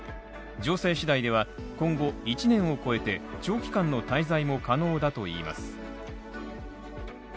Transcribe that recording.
情勢次第では今後、１年を超えて長期間の滞在も可能だといいます。